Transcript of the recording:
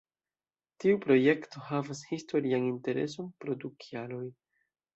Tiu projekto havas historian intereson pro du kialoj.